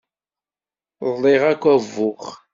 Ḍliɣ akk abux.